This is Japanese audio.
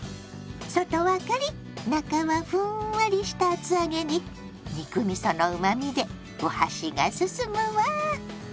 外はカリッ中はふんわりした厚揚げに肉みそのうまみでお箸がすすむわ。